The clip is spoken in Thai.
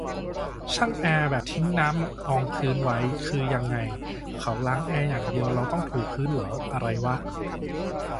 ช่างแอร์แบบทิ้งน้ำนองพื้นไว้ คือยังไง เขาล้างแอร์อย่างเดียว เราต้องถูพื้นเหรอ อะไรวะ